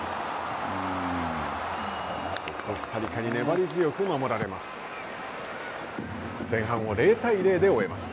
コスタリカに粘り強く守られます。